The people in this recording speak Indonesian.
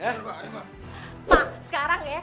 pak sekarang ya